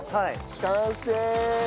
完成！